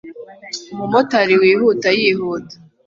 Umumotari wihuta yihuta